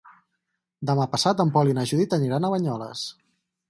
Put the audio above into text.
Demà passat en Pol i na Judit aniran a Banyoles.